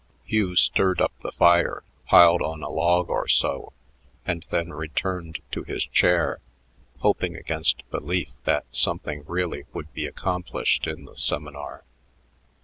Hugh stirred up the fire, piled on a log or so, and then returned to his chair, hoping against belief that something really would be accomplished in the seminar.